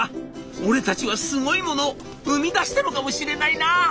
俺たちはすごいものを生み出したのかもしれないな」。